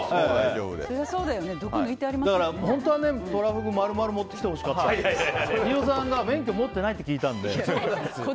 だから本当はトラフグ丸々持ってきてほしかったんだけど飯尾さんが免許持ってないって聞いたんで。